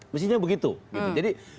mestinya begitu jadi